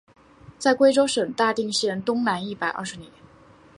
在贵州省大定县东南一百二十里。